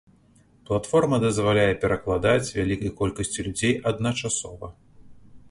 Платформа дазваляе перакладаць вялікай колькасці людзей адначасова.